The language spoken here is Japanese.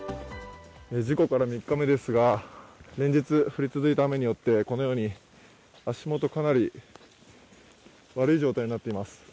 事故から３日目ですが、連日降り続いた雨によってこのように足元、かなり悪い状態になっています。